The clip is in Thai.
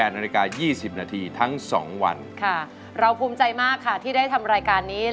นาฬิกา๒๐นาทีทั้ง๒วันค่ะเราภูมิใจมากค่ะที่ได้ทำรายการนี้